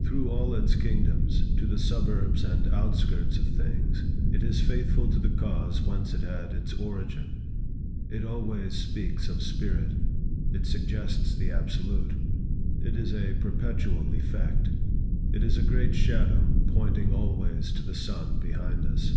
Through all its kingdoms, to the suburbs and outskirts of things, it is faithful to the cause whence it had its origin. It always speaks of Spirit. It suggests the absolute. It is a perpetual effect. It is a great shadow pointing always to the sun behind us.